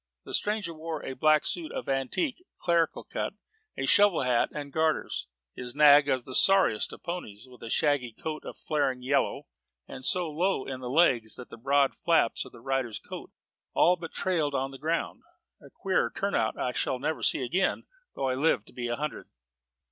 The stranger wore a black suit of antique, clerical cut, a shovel hat, and gaiters; his nag was the sorriest of ponies, with a shaggy coat of flaring yellow, and so low in the legs that the broad flaps of its rider's coat all but trailed on the ground. A queerer turnout I shall never see again, though I live to be a hundred.